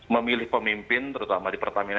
memilih pemimpin terutama di pertamina